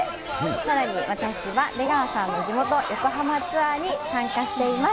さらに私は出川さんの地元、横浜ツアーに参加しています。